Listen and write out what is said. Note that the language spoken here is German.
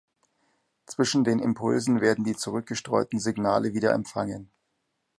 Zwischen den Impulsen werden die zurück gestreuten Signale wieder empfangen.